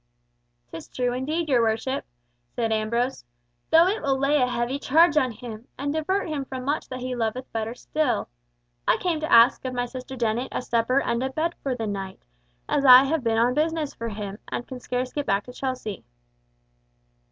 "'Tis true indeed, your worship," said Ambrose, "though it will lay a heavy charge on him, and divert him from much that he loveth better still. I came to ask of my sister Dennet a supper and a bed for the night, as I have been on business for him, and can scarce get back to Chelsea."